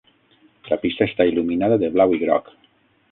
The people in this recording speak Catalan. La pista està il·luminada de blau i groc.